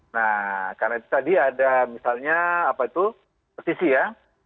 nah karena itu tadi ada misalnya apa itu petisi ya